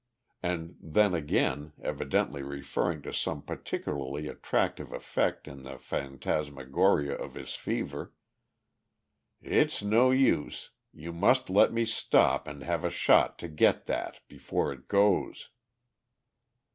and then again, evidently referring to some particularly attractive effect in the phantasmagoria of his fever, "it's no use you must let me stop and have a shot to get that, before it goes."